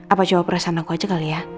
apa jawab perasaan aku aja kali ya